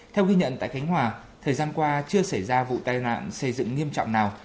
theo ghi nhận tại khánh hòa thời gian qua chưa xảy ra vụ tai nạn xây dựng nghiêm trọng nào